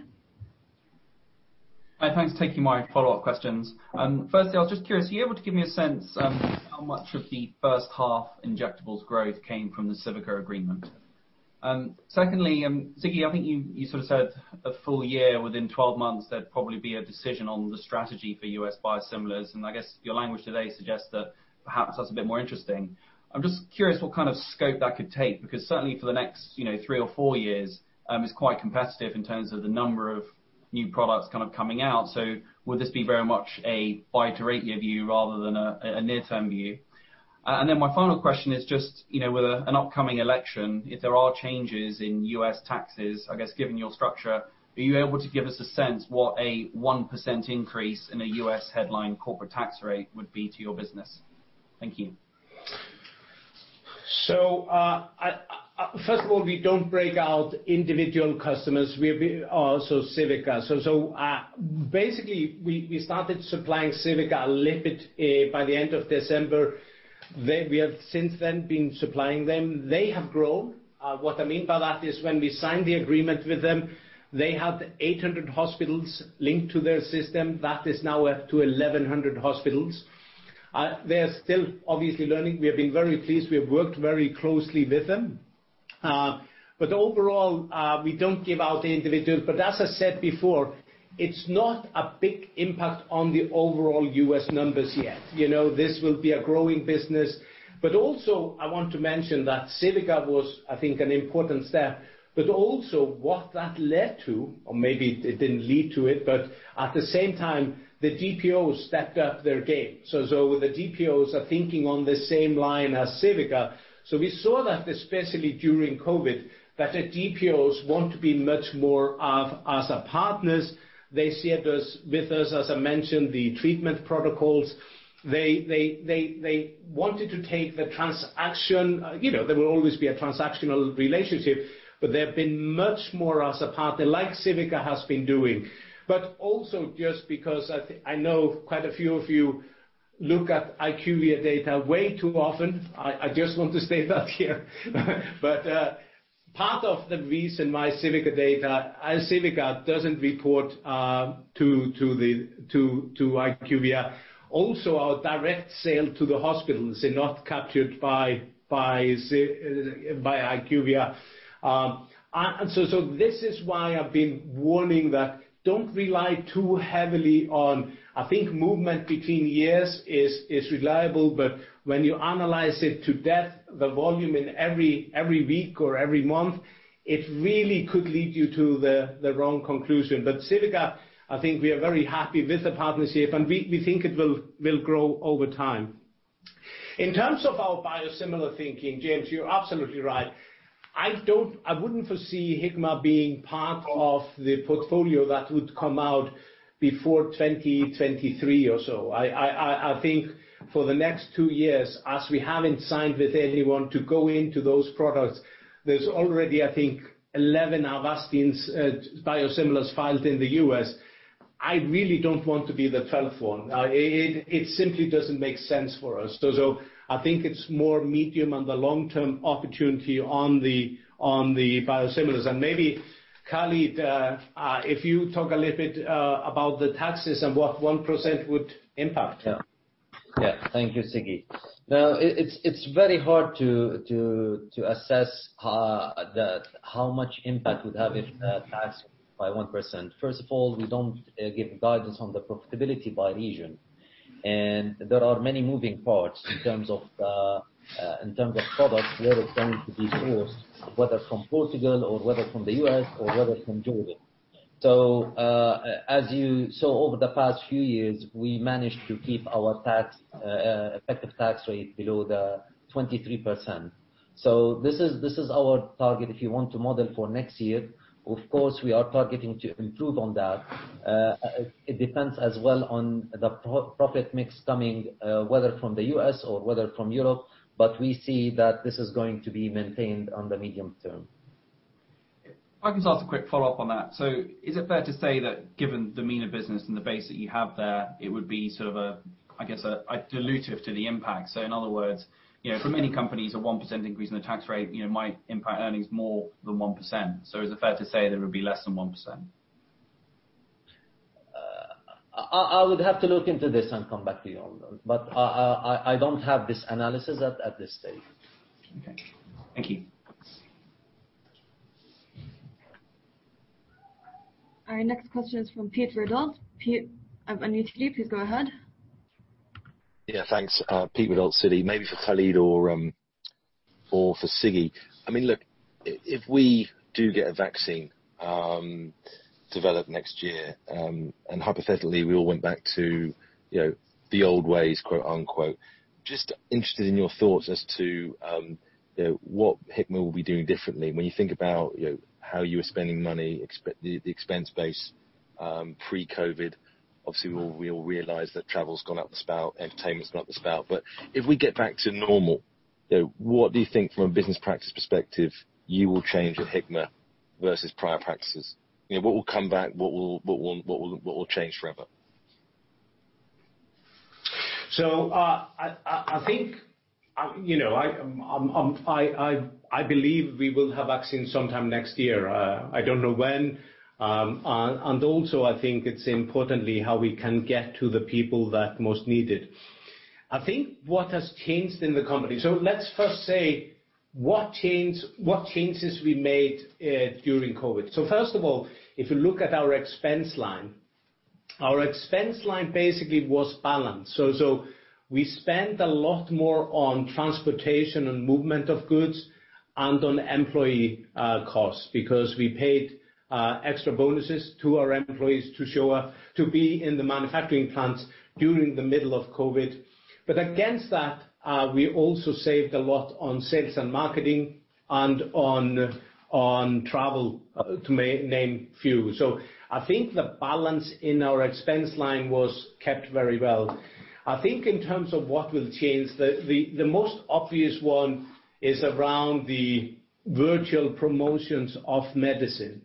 Hi. Thanks for taking my follow-up questions. Firstly, I was just curious, are you able to give me a sense, how much of the first half injectables growth came from the Civica agreement? Secondly, Siggi, I think you sort of said a full year, within 12 months, there'd probably be a decision on the strategy for US biosimilars, and I guess your language today suggests that perhaps that's a bit more interesting. I'm just curious what kind of scope that could take, because certainly for the next, you know, 3 or 4 years, it's quite competitive in terms of the number of new products kind of coming out. So would this be very much a 5- to 8-year view rather than a near-term view? And then my final question is just, you know, with an upcoming election, if there are changes in U.S. taxes, I guess, given your structure, are you able to give us a sense what a 1% increase in a U.S. headline corporate tax rate would be to your business? Thank you.... So, first of all, we don't break out individual customers. We-- so Civica. So, basically, we started supplying Civica a little bit by the end of December. They-- we have since then been supplying them. They have grown. What I mean by that is when we signed the agreement with them, they had 800 hospitals linked to their system. That is now up to 1,100 hospitals. They are still, obviously, learning. We have been very pleased. We have worked very closely with them. But overall, we don't give out the individuals, but as I said before, it's not a big impact on the overall US numbers yet. You know, this will be a growing business. But also, I want to mention that Civica was, I think, an important step, but also what that led to, or maybe it didn't lead to it, but at the same time, the GPOs stepped up their game. So the GPOs are thinking on the same line as Civica. So we saw that, especially during COVID, that the GPOs want to be much more as a partner. They wanted to take the transaction. You know, there will always be a transactional relationship, but they've been much more as a partner, like Civica has been doing. But also just because I think, I know quite a few of you look at IQVIA data way too often. I just want to say that here. But part of the reason why Civica data, Civica doesn't report to IQVIA. Also, our direct sale to the hospitals, they're not captured by IQVIA. And so this is why I've been warning that don't rely too heavily on... I think movement between years is reliable, but when you analyze it to death, the volume in every week or every month, it really could lead you to the wrong conclusion. But Civica, I think we are very happy with the partnership, and we think it will grow over time. In terms of our biosimilar thinking, James, you're absolutely right. I wouldn't foresee Hikma being part of the portfolio that would come out before 2023 or so. I think for the next two years, as we haven't signed with anyone to go into those products, there's already, I think, 11 Avastins biosimilars filed in the U.S. I really don't want to be the 12th one. It simply doesn't make sense for us. So I think it's more medium- and long-term opportunity on the biosimilars. And maybe, Khalid, if you talk a little bit about the taxes and what 1% would impact. Yeah. Yeah, thank you, Siggi. Now, it's very hard to assess how much impact it would have if taxed by 1%. First of all, we don't give guidance on the profitability by region. And there are many moving parts in terms of products, where it's going to be sourced, whether from Portugal or whether from the U.S. or whether from Jordan. So, as you saw over the past few years, we managed to keep our effective tax rate below 23%. So this is our target if you want to model for next year. Of course, we are targeting to improve on that. It depends as well on the product mix coming, whether from the U.S. or whether from Europe, but we see that this is going to be maintained on the medium term. If I can just ask a quick follow-up on that. So is it fair to say that given the mean of business and the base that you have there, it would be sort of a, I guess, a dilutive to the impact? So in other words, you know, for many companies, a 1% increase in the tax rate, you know, might impact earnings more than 1%. So is it fair to say that it would be less than 1%? I would have to look into this and come back to you on that, but I don't have this analysis at this stage. Okay. Thank you. Our next question is from Pete Verdult. Pete, unmute please, go ahead. Yeah, thanks. Pete Verdult, Citi. Maybe for Khalid or for Siggi. I mean, look, if we do get a vaccine developed next year, and hypothetically, we all went back to, you know, the "old ways," quote, unquote. Just interested in your thoughts as to what Hikma will be doing differently. When you think about, you know, how you were spending money, the expense base pre-COVID. Obviously, we all realize that travel's gone out the spout, entertainment's gone out the spout. But if we get back to normal, you know, what do you think from a business practice perspective, you will change at Hikma versus prior practices? You know, what will come back? What won't, what will change forever? So, I think, you know, I believe we will have vaccine sometime next year. I don't know when, and also, I think it's importantly how we can get to the people that most need it. I think what has changed in the company... So let's first say what change, what changes we made, during COVID. So first of all, if you look at our expense line, our expense line basically was balanced. So, we spent a lot more on transportation and movement of goods and on employee, costs, because we paid, extra bonuses to our employees to show up, to be in the manufacturing plants during the middle of COVID. But against that, we also saved a lot on sales and marketing and on travel, to name a few. So I think the balance in our expense line was kept very well. I think in terms of what will change, the most obvious one is around the virtual promotions of medicine.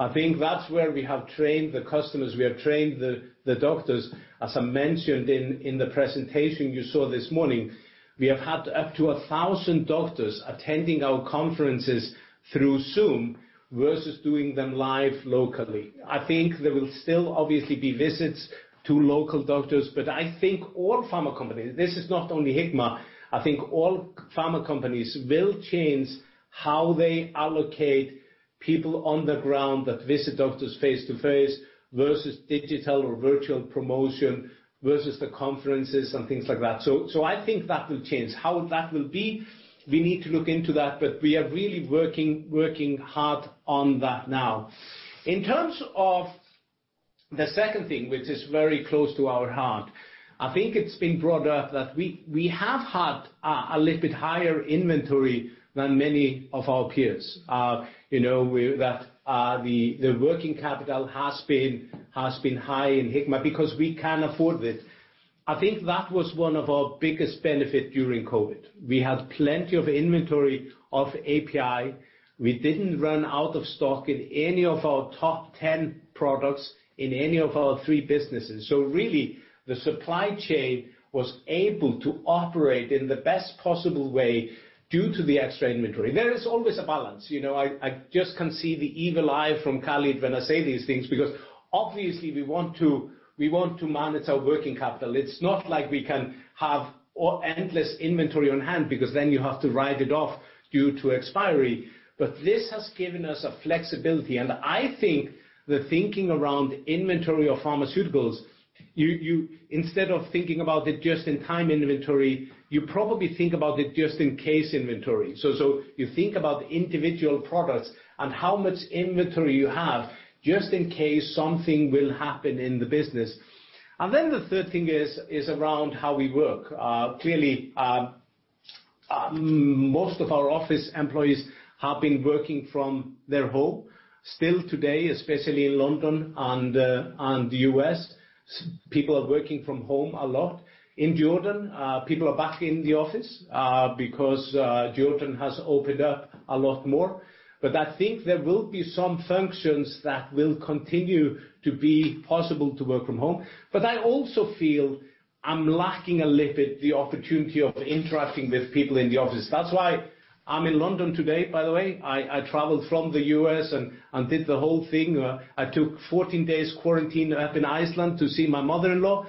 I think that's where we have trained the customers, we have trained the doctors. As I mentioned in the presentation you saw this morning, we have had up to 1,000 doctors attending our conferences through Zoom versus doing them live locally. I think there will still obviously be visits to local doctors, but I think all pharma companies, this is not only Hikma, I think all pharma companies will change how they allocate people on the ground that visit doctors face-to-face versus digital or virtual promotion, versus the conferences and things like that. So I think that will change. How that will be, we need to look into that, but we are really working, working hard on that now. In terms of the second thing, which is very close to our heart, I think it's been brought up that we have had a little bit higher inventory than many of our peers. You know, the working capital has been high in Hikma because we can afford it. I think that was one of our biggest benefit during COVID. We had plenty of inventory of API. We didn't run out of stock in any of our top 10 products in any of our three businesses. So really, the supply chain was able to operate in the best possible way due to the extra inventory. There is always a balance, you know. I just can see the evil eye from Khalid when I say these things, because obviously, we want to manage our working capital. It's not like we can have endless inventory on hand, because then you have to write it off due to expiry. But this has given us a flexibility, and I think the thinking around inventory of pharmaceuticals. Instead of thinking about it just in time inventory, you probably think about it just in case inventory. So you think about individual products and how much inventory you have, just in case something will happen in the business. And then the third thing is around how we work. Clearly, most of our office employees have been working from their home. Still today, especially in London and the U.S., people are working from home a lot. In Jordan, people are back in the office, because, Jordan has opened up a lot more. But I think there will be some functions that will continue to be possible to work from home. But I also feel I'm lacking a little bit, the opportunity of interacting with people in the office. That's why I'm in London today, by the way. I traveled from the U.S. and did the whole thing. I took 14 days quarantine up in Iceland to see my mother-in-law,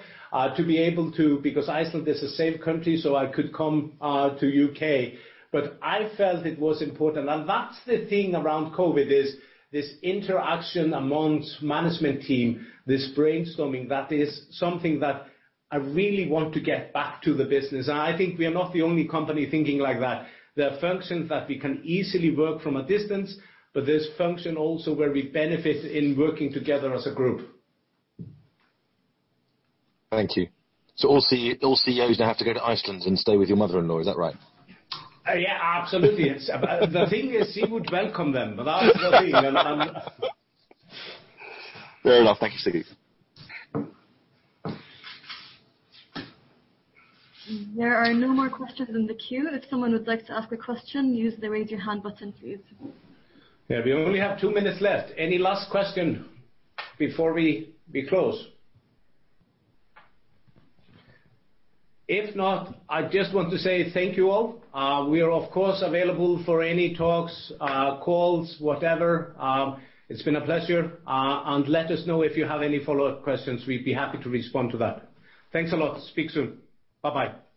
to be able to-- because Iceland is a safe country, so I could come, to U.K. But I felt it was important. And that's the thing around COVID, is this interaction amongst management team, this brainstorming, that is something that I really want to get back to the business. I think we are not the only company thinking like that. There are functions that we can easily work from a distance, but there's function also where we benefit in working together as a group. Thank you. So all CEO, all CEOs now have to go to Iceland and stay with your mother-in-law, is that right? Yeah, absolutely. It's... The thing is, she would welcome them, but that's the thing. And, Fair enough. Thank you, Siggi. There are no more questions in the queue. If someone would like to ask a question, use the Raise Your Hand button, please. Yeah, we only have two minutes left. Any last question before we close? If not, I just want to say thank you all. We are, of course, available for any talks, calls, whatever. It's been a pleasure, and let us know if you have any follow-up questions. We'd be happy to respond to that. Thanks a lot. Speak soon. Bye-bye.